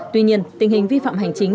tuy nhiên tình hình vi phạm hành chính